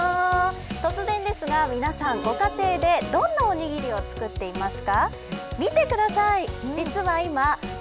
突然ですが、皆さん、ご家庭でどんなおにぎりを作っていますか。